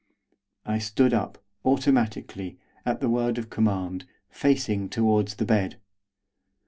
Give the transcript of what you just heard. I stood up, automatically, at the word of command, facing towards the bed.